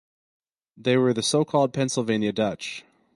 They were the so-called Pennsylvania Dutch.